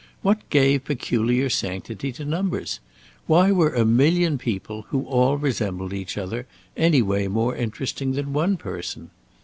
What gave peculiar sanctity to numbers? Why were a million people, who all resembled each other, any way more interesting than one person?